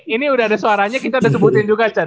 ini udah ada suaranya kita udah sebutin juga can